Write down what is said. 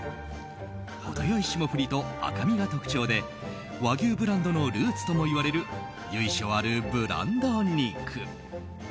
程良い霜降りと赤身が特徴で和牛ブランドのルーツともいわれる由緒あるブランド肉。